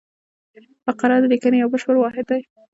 فقره د لیکني یو بشپړ واحد دئ.